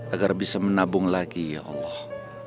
agar bisa menabung lagi ya allah